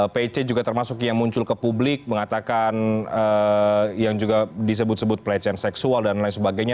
pc juga termasuk yang muncul ke publik mengatakan yang juga disebut sebut pelecehan seksual dan lain sebagainya